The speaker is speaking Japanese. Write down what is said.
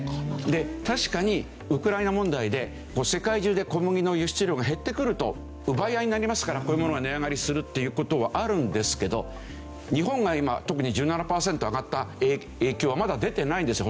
確かにウクライナ問題で世界中で小麦の輸出量が減ってくると奪い合いになりますからこういうものが値上がりするっていう事はあるんですけど日本が今特に１７パーセント上がった影響はまだ出てないんですよ